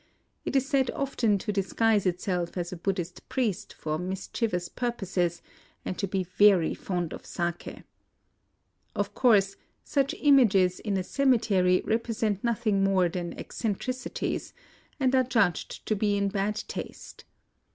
It is said often to disguise itself as a Buddhist priest for mischievous purposes, and to be very fond of sake. Of course, such images in a cemetery represent nothing more than eccen tricities, and are judged to be in bad taste.